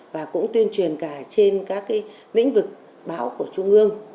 và cũng tuyên truyền cả trên các lĩnh vực báo của trung ương